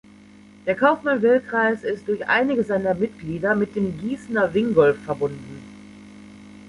Der Kaufmann-Will-Kreis ist durch einige seiner Mitglieder mit dem Gießener Wingolf verbunden.